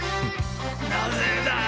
なぜだ！